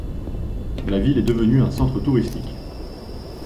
La ville est devenue un centre touristique.